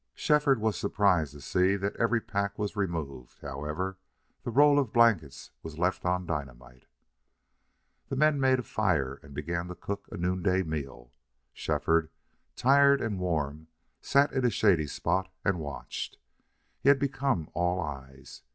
Shefford was surprised to see that every pack was removed; however, the roll of blankets was left on Dynamite. The men made a fire and began to cook a noonday meal. Shefford, tired and warm, sat in a shady spot and watched. He had become all eyes.